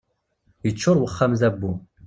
Yeččur uxxam d abbu.